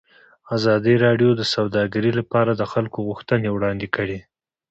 ازادي راډیو د سوداګري لپاره د خلکو غوښتنې وړاندې کړي.